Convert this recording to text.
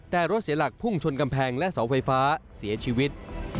แต่รถเสียหลักพุ่งชนกำแพงและเสาไฟฟ้าเสียชีวิต